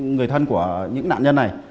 người thân của những nạn nhân này